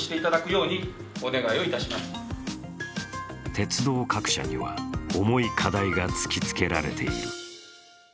鉄道各社には重い課題が突きつけられている。